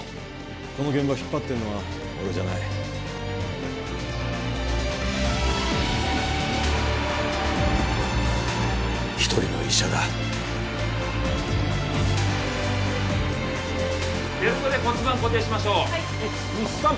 この現場引っ張ってんのは俺じゃない一人の医者だベルトで骨盤固定しましょうはい１２３